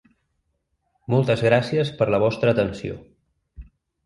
Moltes gràcies per la vostra atenció.